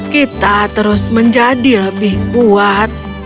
kita terus menjadi lebih kuat